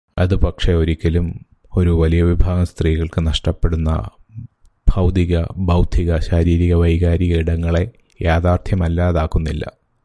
അത് പക്ഷെ ഒരിക്കലും ഒരു വലിയവിഭാഗം സ്ത്രീകൾക്ക് നഷ്ടപ്പെടുന്ന ഭൗതിക, ബൗദ്ധിക, ശാരീരിക, വൈകാരിക ഇടങ്ങളെ യാഥാർഥ്യമല്ലാതാക്കുന്നില്ല.